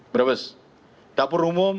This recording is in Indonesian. brebes dapur umum